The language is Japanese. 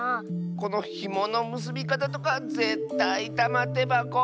このひものむすびかたとかぜったいたまてばこ。